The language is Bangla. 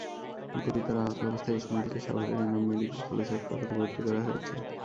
গুরুতর আহত অবস্থায় ইসমাইলকে সাভারের এনাম মেডিকেল কলেজ হাসপাতালে ভর্তি করা হয়েছে।